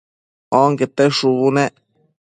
onquete shubu nec